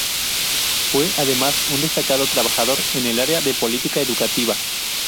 Fue además un destacado trabajador en el área de política educativa.